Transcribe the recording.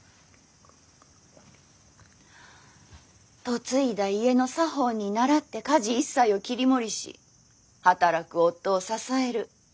嫁いだ家の作法に倣って家事一切を切り盛りし働く夫を支える。